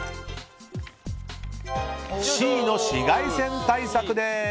Ｃの紫外線対策です！